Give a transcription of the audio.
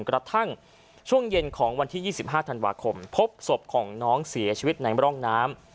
กระทั่งช่วงเย็นของวันที่๒๕ธันวาคมพบศพของน้องเสียชีวิตในร่องน้ำ